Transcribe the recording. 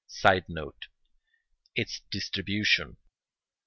[Sidenote: Its distribution.